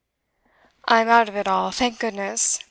'I'm out of it all, thank goodness.